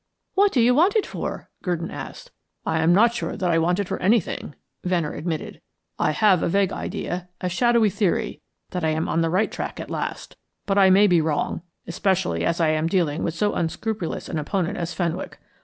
"What do you want it for?" Gurdon asked. "I am not sure that I want it for anything," Venner admitted. "I have a vague idea, a shadowy theory, that I am on the right track at last, but I may be wrong, especially as I am dealing with so unscrupulous an opponent as Fenwick.